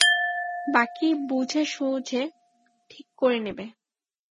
বাকী বুঝে-সুঝে ঠিক করে নেবে।